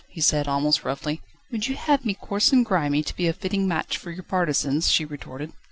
he said, almost roughly. "Would you have me coarse and grimy to be a fitting match for your partisans?" she retorted.